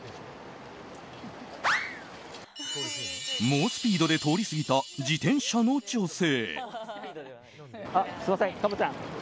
猛スピードで通り過ぎた自転車の女性。